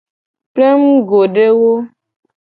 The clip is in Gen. Plengugodewo.